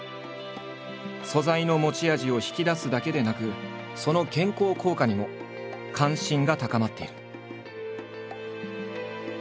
素材の持ち味を引き出すだけでなくその健康効果にも関心が高まっている。